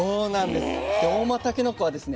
で合馬たけのこはですね